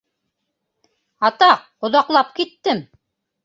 — Атаҡ, оҙаҡлап киттем.